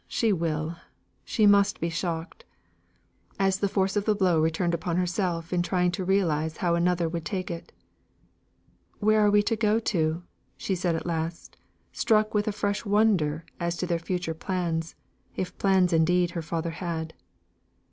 she will, she must be shocked" as the force of the blow returned upon herself in trying to realise how another would take it. "Where are we to go to?" said she at last, struck with a fresh wonder as to their future plans, if plans indeed her father had.